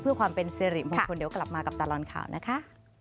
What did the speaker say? เพื่อความเป็นสิริมงคลเดี๋ยวกลับมากับตลอดข่าวนะคะ